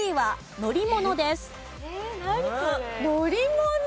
乗り物？